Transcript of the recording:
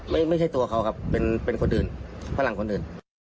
ไม่ใช่ตัวเขาครับเป็นคนอื่นฝรั่งคนอื่น